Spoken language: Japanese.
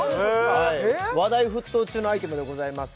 へえ話題沸騰中のアイテムでございます